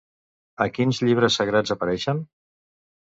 A quins llibres sagrats apareixen?